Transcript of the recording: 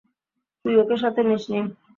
তুই ওকে সাথে নিসনি?